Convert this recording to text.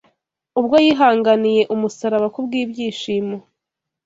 ubwo “yihanganiye umusaraba kubw’ibyishimo